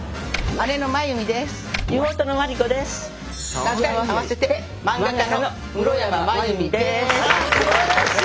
ああすばらしい！